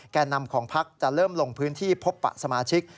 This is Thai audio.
แก่นำของพักจะเริ่มลงพื้นที่พบปะสมาชิก